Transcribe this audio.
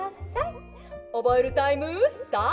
おぼえるタイムスタート！」。